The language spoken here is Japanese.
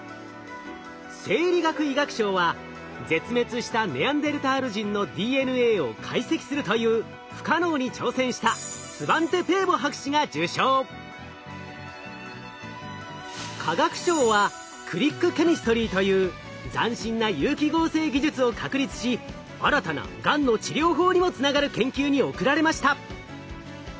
生理学・医学賞は絶滅したネアンデルタール人のＤＮＡを解析するという不可能に挑戦した化学賞は「クリックケミストリー」という斬新な有機合成技術を確立し新たながんの治療法にもつながる研究に贈られました。